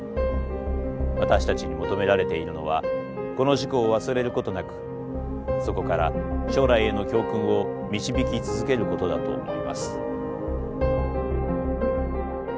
私たちに求められているのはこの事故を忘れることなくそこから将来への教訓を導き続けることだと思います。